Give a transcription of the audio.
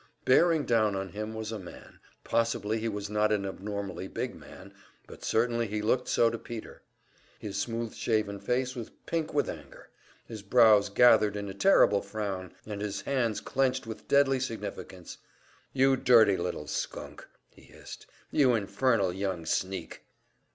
Bearing down on him was a man; possibly he was not an abnormally big man, but certainly he looked so to Peter. His smooth shaven face was pink with anger, his brows gathered in a terrible frown, and his hands clenched with deadly significance. "You dirty little skunk!" he hissed. "You infernal young sneak!"